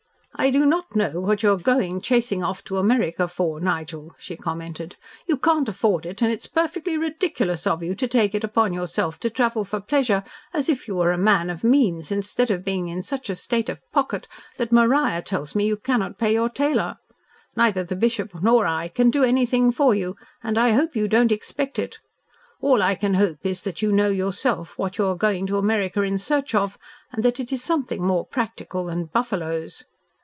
"I do not know what you are going chasing off to America for, Nigel," she commented. "You can't afford it and it is perfectly ridiculous of you to take it upon yourself to travel for pleasure as if you were a man of means instead of being in such a state of pocket that Maria tells me you cannot pay your tailor. Neither the Bishop nor I can do anything for you and I hope you don't expect it. All I can hope is that you know yourself what you are going to America in search of, and that it is something more practical than buffaloes.